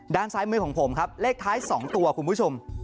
ด้านซ้ายมือของผมครับเลขท้าย๒ตัวคุณผู้ชม